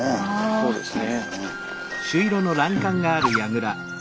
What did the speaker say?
そうですね。